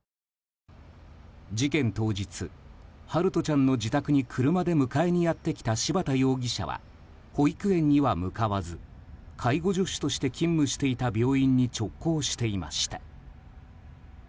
事件当日、陽翔ちゃんの自宅に車で迎えにやってきた柴田容疑者は保育園には向かわず介護助手として勤務していた病院に直行していました。